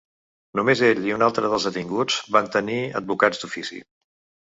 Només ell i un altre dels detinguts van tenir advocats d’ofici.